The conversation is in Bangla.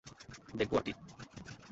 দেখব আর কী?